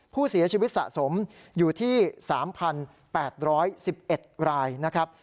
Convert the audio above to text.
ผู้เสียชีวิตสะสมอยู่ที่๓๘๑๑รายนะครับ